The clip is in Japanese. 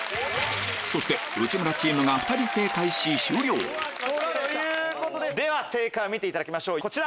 そして内村チームが２人正解し終了では正解を見ていただきましょうこちら。